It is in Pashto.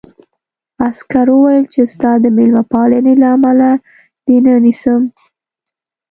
عسکر وویل چې ستا د مېلمه پالنې له امله دې نه نیسم